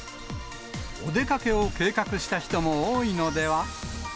お出かけを計画した人も多いのでは。